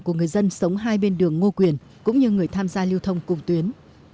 của người dân sống hai bên đường ngô quyền cũng như người tham gia lưu thông cùng tuyến